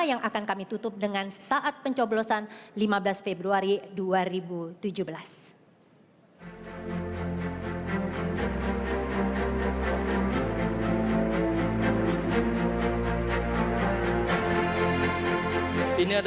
yang akan kami tutup dengan saat pencoblosan lima belas februari dua ribu tujuh belas